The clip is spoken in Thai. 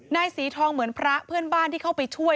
สีทองเหมือนพระเพื่อนบ้านที่เข้าไปช่วย